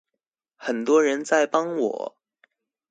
很多人在幫我